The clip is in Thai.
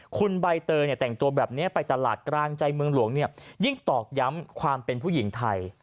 คุณใบเตยแต่งตัวแบบนี้ไปตลาดกลางใจเมืองหลวงยิ่งตอกย้ำความเป็นผู้หญิงไทย